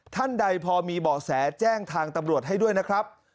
ท่านใดพอมีเบาะแสแจ้งทางตำรวจให้ด้วยนะครับ